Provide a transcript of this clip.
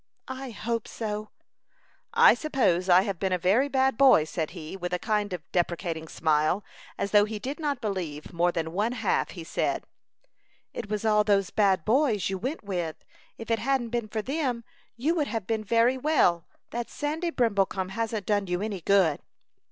"I hope so." "I suppose I have been a very bad boy," said he, with a kind of deprecating smile, as though he did not believe more than one half he said. "It was all those bad boys you went with; if it hadn't been for them, you would have done very well. That Sandy Brimblecom hasn't done you any good."